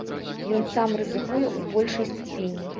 Ён сам рызыкуе ў большай ступені!